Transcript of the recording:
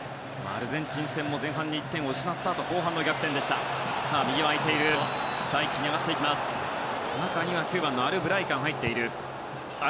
アルゼンチン戦も前半で１点を失ったあと後半の逆転でしたサウジアラビア。